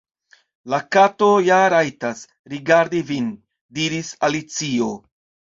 "La Kato ja rajtas_ rigardi vin," diris Alicio. "